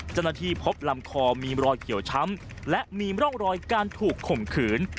เจ้าหน้าที่พบลำคอมีรอยเขียวช้ำและมีร่องรอยการถูกข่มขืน